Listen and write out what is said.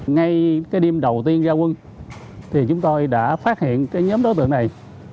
ngay cái đêm đầu tiên ra quân thì chúng tôi đã phát hiện cái nhóm đối tượng này